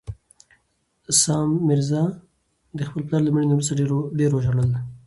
سام میرزا د خپل پلار له مړینې وروسته ډېر وژړل.